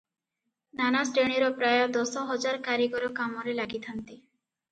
ନାନା ଶ୍ରେଣୀର ପ୍ରାୟ ଦଶ ହଜାର କାରିଗର କାମରେ ଲାଗିଥାନ୍ତି ।